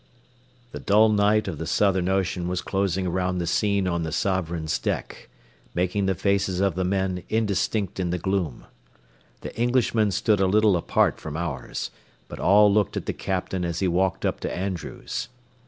XV The dull night of the southern ocean was closing around the scene on the Sovereign's deck, making the faces of the men indistinct in the gloom. The Englishmen stood a little apart from ours, but all looked at the captain as he walked up to Andrews.